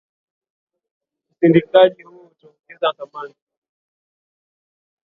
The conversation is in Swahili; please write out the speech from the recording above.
Usindikaji huo utaongeza thamani